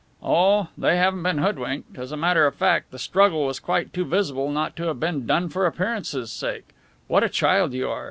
"Oh, they haven't been hoodwinked. As a matter of fact, the struggle was quite too visible not to have been done for appearances' sake. What a child you are!